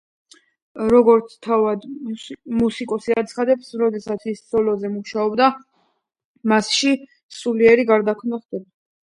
როგორც თავად მუსიკოსი აცხადებს, როდესაც ის სოლოზე მუშაობს მასში სულიერი გარდაქმნა ხდება.